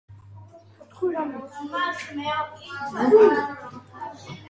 ჩემი ოცნებაა რომ ვითამაშო კამპნოუზე და მოვიგო ჩემპიონთა ლიგა.